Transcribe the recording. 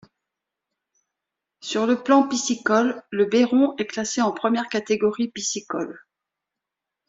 Sur le plan piscicole, le Béron est classé en première catégorie piscicole.